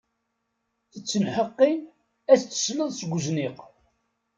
Tettenheqqi ad as-d-tesleḍ seg uzniq.